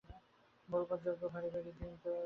ভোলবার যোগ্য ভারি ভারি দিনই তো বহুবিস্তর।